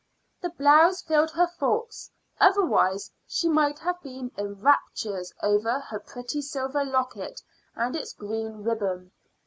The blouse filled her thoughts, otherwise she might have been in raptures over her pretty silver locket and its green ribbon.